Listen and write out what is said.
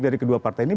dari kedua partai ini